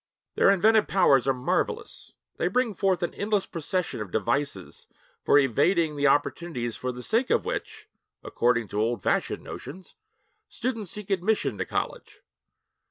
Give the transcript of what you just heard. Their inventive powers are marvelous; they bring forth an endless procession of devices for evading the opportunities for the sake of which (according to old fashioned notions) students seek admission to college.